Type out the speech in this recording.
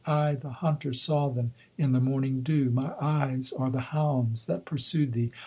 I, the hunter, saw them in the morning dew. My eyes are the hounds that pursued thee.